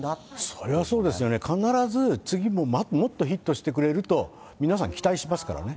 それはそうですよね、必ず次ももっとヒットしてくれると、皆さん期待しますからね。